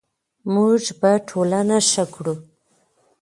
موږ به ټولنه ښه کړو.